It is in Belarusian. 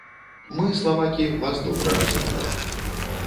Мы, славакі, вас добра разумеем.